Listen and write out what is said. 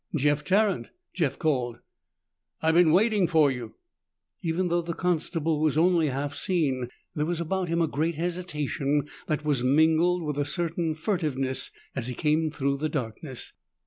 "Jeff Tarrant," Jeff called. "I've been waiting for you." Even though the constable was only half seen, there was about him a great hesitation that was mingled with a certain furtiveness as he came through the darkness.